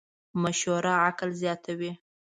مشوره عقل زیاتوې.